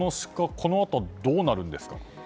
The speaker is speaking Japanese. このあとどうなるんですか？